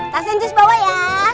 kasian jus bawa ya